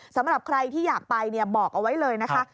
สำหรับใครที่อยากไปบอกเอาไว้เลยนะคะ